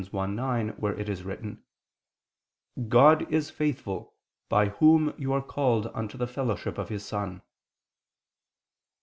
1:9, where it is written: "God is faithful, by Whom you are called unto the fellowship of His Son."